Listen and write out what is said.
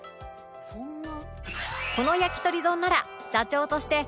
「そんな？」